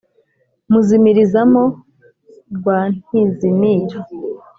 muzimirizamo rwantizimira